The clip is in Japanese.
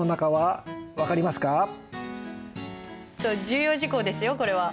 重要事項ですよこれは。